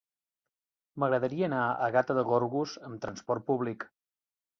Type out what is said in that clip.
M'agradaria anar a Gata de Gorgos amb transport públic.